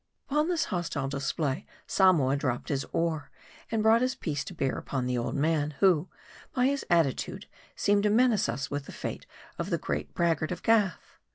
, Upon this hostile display, Samoa dropped his oar, and brought his piece to bear upon the old man, who, by his at titude, seemed to menace us with the fate of the great brag gart of Gath.